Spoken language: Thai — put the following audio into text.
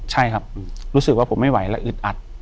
ใช่ครับรู้สึกว่าผมไม่ไหวและอึดอัด